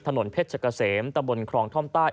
ถนนเพชรกะเสมตะบนครองท่อมใต้